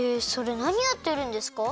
なにやってるんですか？